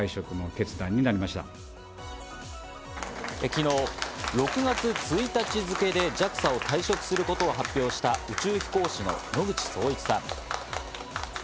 昨日、６月１日付でＪＡＸＡを退職することを発表した宇宙飛行士の野口聡一さん。